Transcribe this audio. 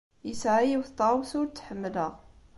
Yesɛa yiwet n tɣawsa ur tt-ḥemmleɣ.